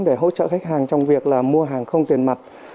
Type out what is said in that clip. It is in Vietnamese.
để hỗ trợ khách hàng trong việc là mua hàng không tiền mặt